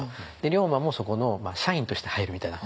龍馬もそこの社員として入るみたいな。